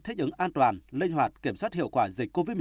thích ứng an toàn linh hoạt kiểm soát hiệu quả dịch covid một mươi chín